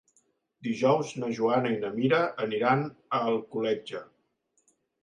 Dijous na Joana i na Mira aniran a Alcoletge.